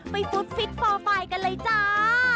ฟุตฟิตฟอร์ไฟล์กันเลยจ้า